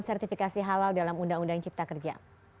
sertifikasi halal dalam undang undang cipta kerja